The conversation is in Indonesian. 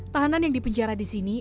tahanan yang dipenjara disini